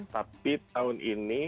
tapi tahun ini